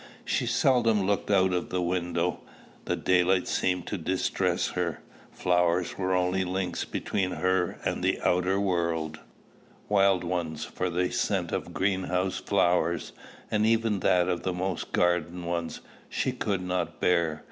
She seldom looked out of the window; the daylight seemed to distress her: flowers were the only links between her and the outer world, wild ones, for the scent of greenhouse flowers, and even that of most garden ones, she could not bear.